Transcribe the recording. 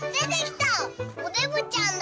おデブちゃんだ！